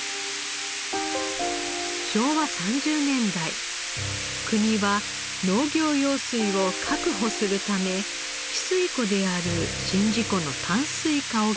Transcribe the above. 昭和３０年代国は農業用水を確保するため汽水湖である宍道湖の淡水化を計画。